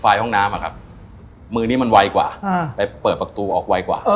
ห้องน้ำอะครับมือนี้มันไวกว่าไปเปิดประตูออกไวกว่า